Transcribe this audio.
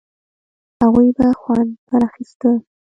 هغوی به خوند پر اخيسته.